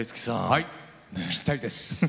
はいぴったりです。